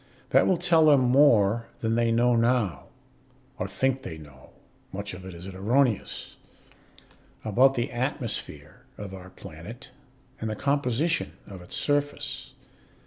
That will tell them more than they know now (or think they know; much of it is erroneous) about the atmosphere of our planet and the composition of its surface.